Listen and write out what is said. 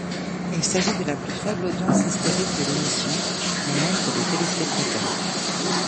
Il s'agit de la plus faible audience historique de l'émission en nombre de téléspectateurs.